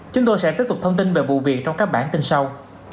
chúng tôi sẽ tiếp tục thông tin về vụ việc trong các bản tin sau